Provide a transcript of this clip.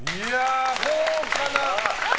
豪華な！